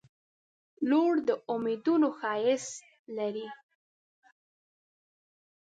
• لور د امیدونو ښایست لري.